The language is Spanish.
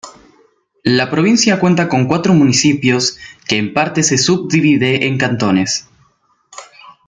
La provincia cuenta con cuatro municipios que en parte se subdivide en cantones.